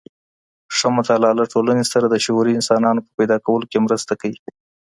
ښه مطالعه له ټولني سره د شعوري انسانانو په پيدا کولو کي مرسته کوي.